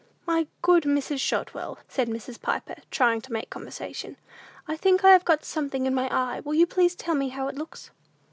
"My good Mrs. Shotwell," said Mrs. Piper, trying to "make conversation," "I think I have got something in my eye: will you please tell me how it looks?"